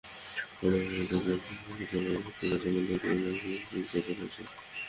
কর্ণফুলী সেতুতে যানজটের জন্য চালকেরা যেমন দায়ী, তেমনি রাজনৈতিক চাপও রয়েছে।